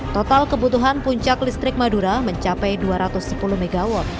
total kebutuhan puncak listrik madura mencapai dua ratus sepuluh mw